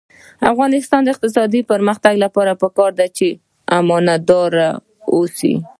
د افغانستان د اقتصادي پرمختګ لپاره پکار ده چې امانتدار اوسو.